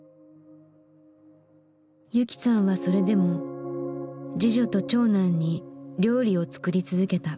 雪さんはそれでも次女と長男に料理を作り続けた。